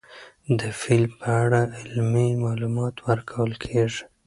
د فیل په اړه علمي معلومات ورکول کېږي.